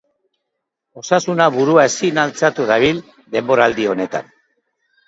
Osasuna burua ezin altxatu dabil denboraldi honetan.